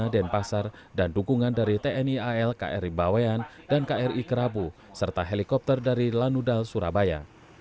dan dukungan dari tni al kri bawean dan kri kerabu serta helikopter dari lanudal surabaya